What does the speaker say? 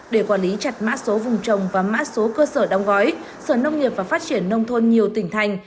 để quản lý chặt mã số vùng trồng và mã số cơ sở đóng gói sở nông nghiệp và phát triển nông thôn nhiều tỉnh thành